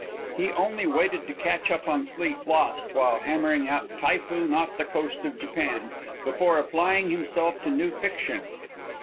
He only waited to catch up on sleep lost while hammering out "Typhoon Off the Coast of Japan," before applying himself to new fiction.